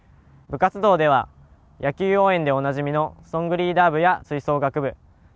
部活動では野球応援でおなじみのソングリーダー部や吹奏学部。